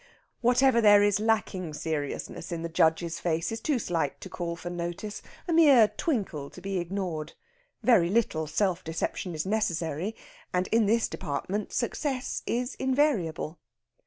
Whatever there is lacking seriousness in the judge's face is too slight to call for notice a mere twinkle to be ignored. Very little self deception is necessary, and in this department success is invariable.